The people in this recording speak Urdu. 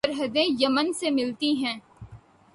سرحدیں یمن سے ملتی ہیں